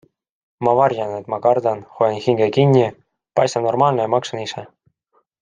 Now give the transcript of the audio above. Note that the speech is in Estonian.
Ma varjan, et ma kardan, hoian hinge kinni, paistan normaalne ja maksan ise.